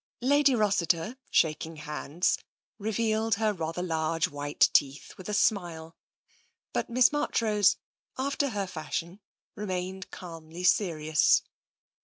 Lady Rossiter, shaking hands, revealed her rather large white teeth in a smile, but Miss Marchrose, after her fashion, remained calmly serious.